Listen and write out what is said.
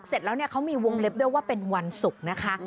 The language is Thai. เสร็จแล้วเนี่ยเขามีวงเล็บด้วยว่าเป็นวันศุกร์นะคะ